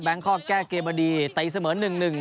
แบงคลอกแก้เกมเบอร์ดีไตล์เสมอหนึ่ง